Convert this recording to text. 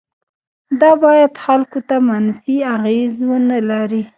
دا باید خلکو ته منفي اغیز ونه لري.